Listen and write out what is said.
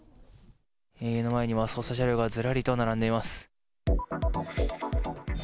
目の前には、捜査車両がずらりと並んでいます。